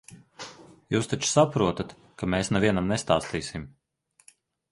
Jūs taču saprotat, ka mēs nevienam nestāstīsim.